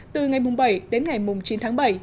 từ ngày mùng bảy đến ngày mùng chín tháng bảy